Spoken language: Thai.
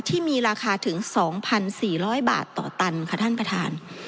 ที่มีราคาถึงสองพันสี่ร้อยบาทต่อตันค่ะท่านประธาน